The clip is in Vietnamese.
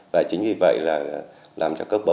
và chính vì vậy là làm cho các bậc phổ huynh